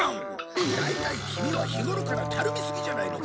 大体キミは日頃からたるみすぎじゃないのかね？